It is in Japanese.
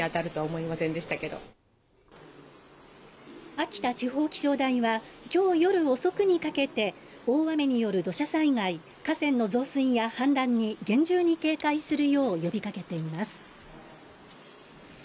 秋田地方気象台は今日夜遅くにかけて大雨による土砂災害河川の増水や氾濫に厳重に警戒するよう呼びかけています。